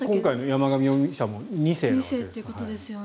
今回の山上容疑者も２世なわけです。